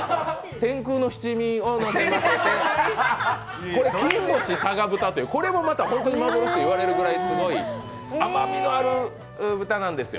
天空の七味をのせまして、金星佐賀豚もこれも、幻と言われるぐらいすごい甘みのある豚なんですよ。